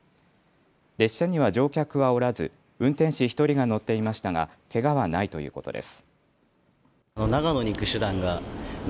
列車には乗客はおらず運転士１人が乗っていましたがけがはないということです。